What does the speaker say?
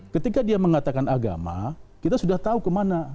ketika dia mengatakan agama kita sudah tahu kemana